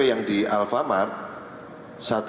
yang di alfamart